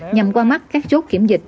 nhằm qua mắt các chốt kiểm dịch